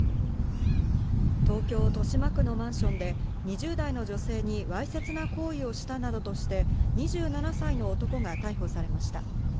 東京・豊島区のマンションで２０代の女性にわいせつな行為をしたなどとして、２７歳の男が逮捕されました。